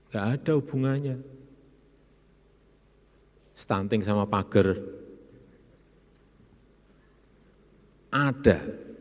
gak ada hubungannya stunting sama pagar ada